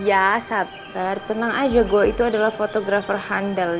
ya sabar tenang aja gue itu adalah fotografer handal